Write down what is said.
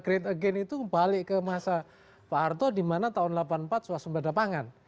great again itu balik ke masa pak arto di mana tahun seribu sembilan ratus delapan puluh empat suasembada pangan